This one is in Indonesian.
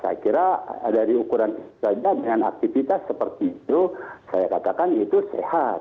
saya kira dari ukuran istilahnya dengan aktivitas seperti itu saya katakan itu sehat